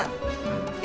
tapi bapak rumah tangga